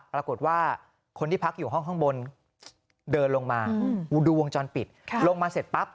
ปรากฏว่าคนที่พักอยู่ห้องข้างบนเดินลงมาดูวงจรปิดลงมาเสร็จปั๊บ